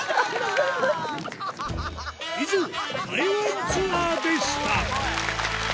以上「台湾ツアー」でした